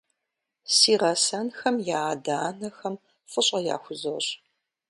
Си гъэсэнхэм я адэ-анэхэм фӀыщӀэ яхузощӀ.